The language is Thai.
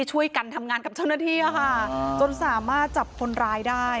ช่วยกันทำงานกับเจ้าหน้าที่อะค่ะจนสามารถจับคนร้ายได้